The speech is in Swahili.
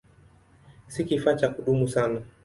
Si kifaa cha kudumu sana.